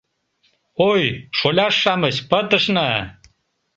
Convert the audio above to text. Ой, шоляш-шамыч, пытышна!